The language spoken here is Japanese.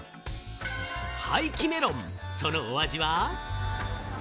廃棄メロン、そのお味は。